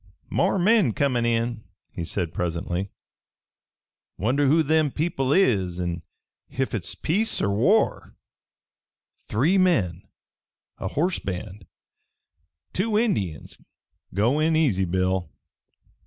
"More men comin' in," said he presently. "Wonder who them people is, an' ef hit's peace er war." "Three men. A horse band. Two Indians. Go in easy, Bill."